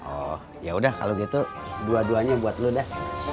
oh ya udah kalau gitu dua duanya buat lu dah